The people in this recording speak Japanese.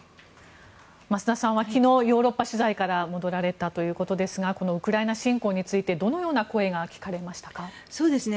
増田さんは昨日ヨーロッパ取材から戻られたということですがこのウクライナ侵攻についてどのような声が聞かれましたか？